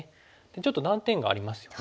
ちょっと断点がありますよね。